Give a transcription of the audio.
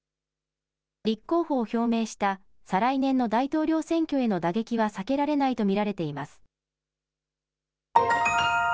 立候補を表明した再来年の大統領選挙への打撃は避けられないと見られています。